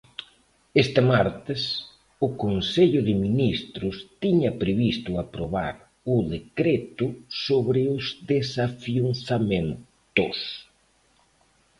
Este martes, o Consello de Ministros tiña previsto aprobar o decreto sobre os desafiuzamentos.